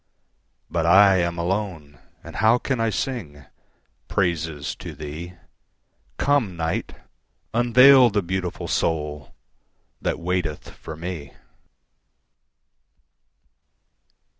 But I am alone, and how can I singPraises to thee? Come, Night! unveil the beautiful soulThat waiteth for me.